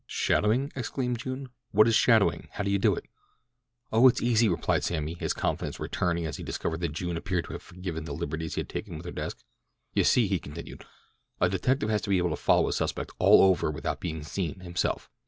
"Shadowing?" exclaimed June. "What is shadowing? How do you do it?" "Oh, it's easy," replied Sammy, his confidence returning as he discovered that June appeared to have forgiven the liberties he had taken with her desk. "You see," he continued, "a detective has to be able to follow a suspect all over without being seen himself.